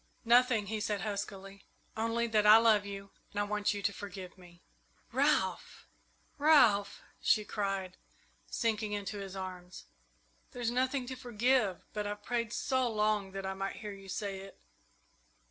"Nothing," he said huskily; "only that I love you and I want you to forgive me." "Ralph! Ralph!" she cried, sinking into his arms, "there's nothing to forgive; but I've prayed so long that I might hear you say it!"